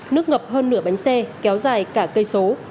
nước ngập hơn nửa bánh xe kéo dài cả cây số